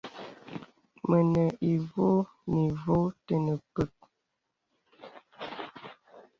Mənə ivɔ̄ɔ̄ nì vɔ̄ɔ̄ tənə pək.